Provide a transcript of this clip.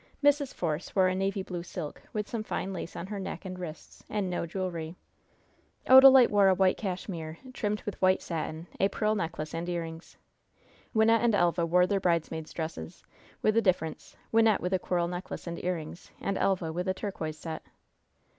Mrs. Force wore a navy blue silk, with some fine lace on her neck and wrists, and no jewelry. Odalite wore a white cashmere, trimmed with white satin, a pearl necklace and earrings. Wynnette and Elva wore their bridesmaids' dresses, with a difference Wynnette with a coral necklace and earrings, and Elva with a turquoise set.